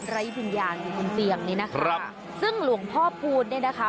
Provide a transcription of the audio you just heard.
ไร้วิญญาณอยู่บนเตียงนี้นะคะซึ่งหลวงพ่อพูนเนี่ยนะคะ